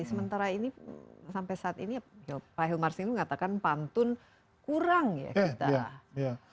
sementara ini sampai saat ini pak hilmar sendiri mengatakan pantun kurang ya kita